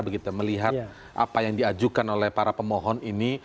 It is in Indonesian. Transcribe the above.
begitu melihat apa yang diajukan oleh para pemohon ini